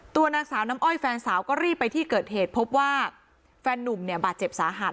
นางสาวน้ำอ้อยแฟนสาวก็รีบไปที่เกิดเหตุพบว่าแฟนนุ่มเนี่ยบาดเจ็บสาหัส